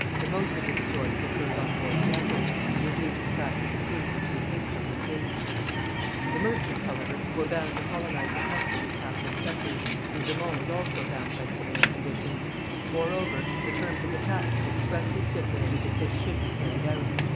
The most of the disorders occurred on board the vessels, and were due to the fact that the crews were too hastily engaged. The merchants, however, were bound to colonize the country with Catholic settlers, and de Monts was also bound by similar conditions. Moreover, the terms of the patents expressly stipulated that this should be carried out.